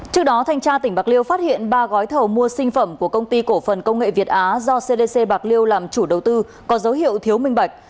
trước đó thanh tra tỉnh bạc liêu phát hiện ba gói thầu mua sinh phẩm của công ty cổ phần công nghệ việt á do cdc bạc liêu làm chủ đầu tư có dấu hiệu thiếu minh bạch